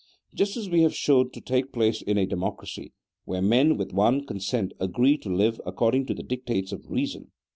Just as we have shown to take place in a democracy, where men with one consent agree to live according to the dictates of reason.